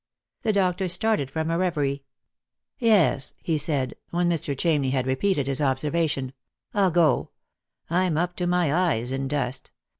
The doctor started from a reverie. " Yes," he said, when Mr. Chamney had repeated his observa tion, " I'll go. I'm up to my eyes in dust.